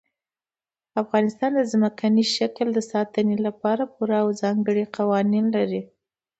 افغانستان د ځمکني شکل د ساتنې لپاره پوره او ځانګړي قوانین لري.